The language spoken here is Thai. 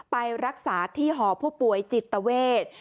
ไปรักษาที่หอพ่อป่วยจิตเตอร์เวท